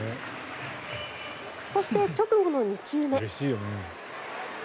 そして、直後の２球目。